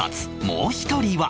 もう１人は